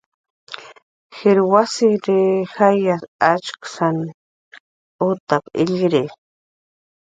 "Jir wasir jayas achkasan utap"" illt'iri"